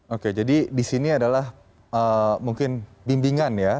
oke jadi di sini adalah mungkin bimbingan ya